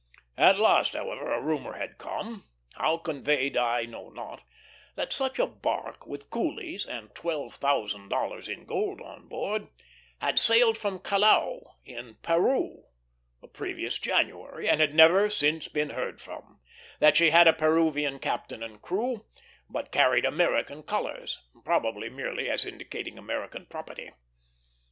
At last, however, a rumor had come, how conveyed I know not, that such a bark, with coolies and twelve thousand dollars in gold on board, had sailed from Callao, in Peru, the previous January, and had never since been heard from; that she had a Peruvian captain and crew, but carried American colors, probably merely as indicating American property.